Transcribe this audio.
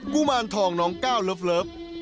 ุมารทองน้องก้าวเลิฟ